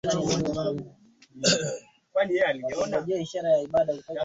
o tunarudi pale pale kwenye majukumu kwamba